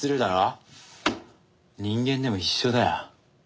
人間でも一緒だよ。